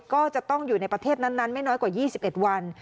ก็จะต้องอยู่ในประเทศนั้นไม่น้อยกว่า๒๑วัน